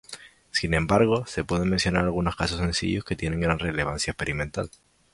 Sin embargo, se pueden mencionar algunos casos sencillos que tienen gran relevancia experimental.